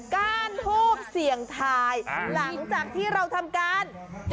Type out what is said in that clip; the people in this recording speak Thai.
ก้านทูบเสี่ยงทายหลังจากที่เราทำการ